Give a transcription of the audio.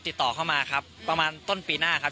ติดต่อเข้ามาครับประมาณต้นปีหน้าครับ